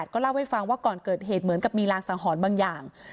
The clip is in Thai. ก็เล่าให้ฟังว่าก่อนเกิดเหตุเหมือนกับมีรางสังหรณ์บางอย่าง